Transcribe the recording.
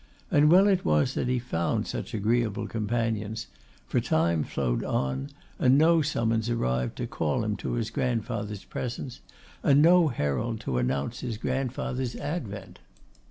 And well it was that he found such agreeable companions, for time flowed on, and no summons arrived to call him to his grandfather's presence, and no herald to announce his grandfather's advent.